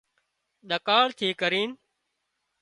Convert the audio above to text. ۮڪاۯ ٿي ڪرينَ